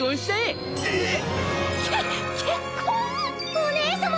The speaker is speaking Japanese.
お姉様！